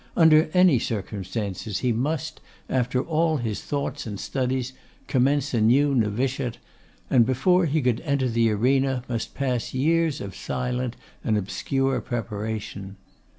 Under any circumstances he must, after all his thoughts and studies, commence a new novitiate, and before he could enter the arena must pass years of silent and obscure preparation.